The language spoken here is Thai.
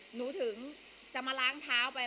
หนูถึงจะมาล้างเท้าไป